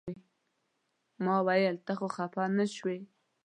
ما ویل ته خو خپه نه شوې.